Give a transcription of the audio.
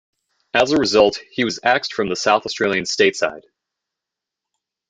As a result, he was axed from the South Australian state side.